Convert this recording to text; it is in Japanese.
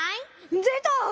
でた！